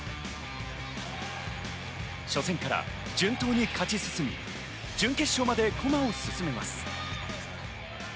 初戦から順当に勝ち進み、準決勝まで駒を進めます。